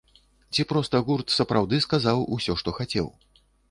Ці проста гурт сапраўды сказаў усё, што хацеў?